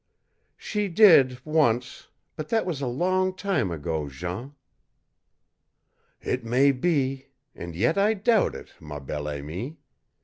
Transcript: "She did, once, but that was a long time ago, Jean." "It may be, and yet I doubt it, ma bien aimée.